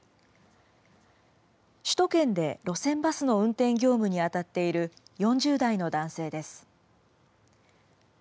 首都圏で路線バスの運転業務に当たっている４０代の男性です。